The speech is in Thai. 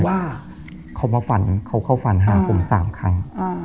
ว่าเขามาฝันเขาเข้าฝันหาผม๓ครั้ง